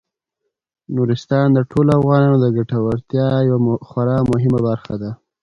نورستان د ټولو افغانانو د ګټورتیا یوه خورا مهمه برخه ده.